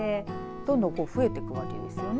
どんどん、こう増えていくわけですよね。